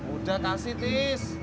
udah kasih tis